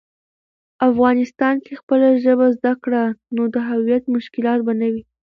افغانسان کی خپله ژبه زده کړه، نو د هویت مشکلات به نه وي.